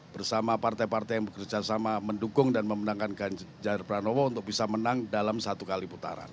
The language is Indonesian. bersama partai partai yang bekerja sama mendukung dan memenangkan ganjar pranowo untuk bisa menang dalam satu kali putaran